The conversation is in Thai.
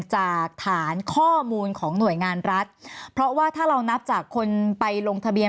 จากฐานข้อมูลของหน่วยงานรัฐเพราะว่าถ้าเรานับจากคนไปลงทะเบียน